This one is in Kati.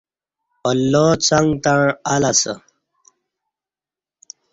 اللہ څݣ تݩع اَ لہ اسہ